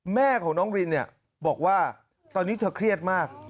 แม่ของน้องรินเนี่ยบอกว่าตอนนี้เธอเครียดมาก